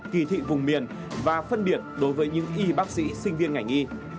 kỳ thị vùng miền và phân biệt đối với những y bác sĩ sinh viên ngành y